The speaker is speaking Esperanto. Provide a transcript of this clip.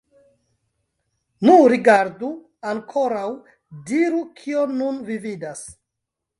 Nu, rigardu ankoraŭ, diru, kion nun vi vidas?